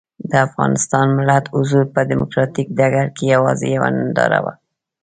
د افغانستان ملت حضور په ډیموکراتیک ډګر کې یوازې یوه ننداره وه.